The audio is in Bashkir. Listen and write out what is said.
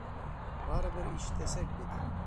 Барыбер ишетәсәк бит.